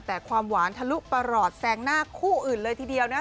แต่ความหวานทะลุประหลอดแซงหน้าคู่อื่นเลยทีเดียวนะ